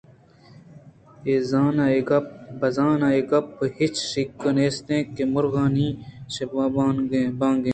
بِہ زاں اے گپ¬ّ ءَ ہچ شکّ ئے نیست کہ مُرغانی شہ بانُک اِنت